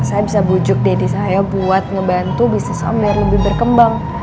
saya bisa bujuk deddy saya buat ngebantu bisnis om biar lebih berkembang